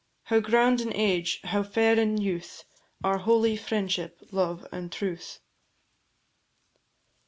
How grand in age, how fair in youth, Are holy "Friendship, Love, and Truth!"